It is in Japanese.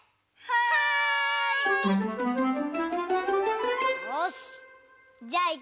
はい！